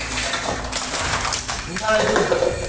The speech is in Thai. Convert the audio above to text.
นี่ทำอะไรกู